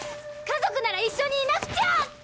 家族なら一緒にいなくちゃ！